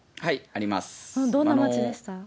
どんな町でした？